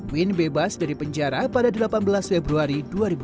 win bebas dari penjara pada delapan belas februari dua ribu dua puluh